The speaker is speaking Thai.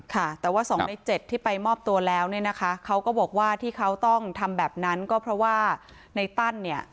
ค่ะแต่ว่า๒ใน๗ที่ไปมอบตัวแล้วเนี่ยนะคะเขาก็บอกว่าที่เขาต้องทำแบบนั้นก็เพราะว่าในตั้นเนี่ย